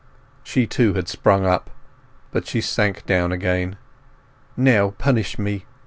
She too had sprung up, but she sank down again. "Now, punish me!"